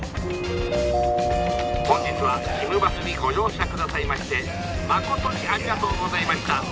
「本日はひむバスにご乗車下さいましてまことにありがとうございました。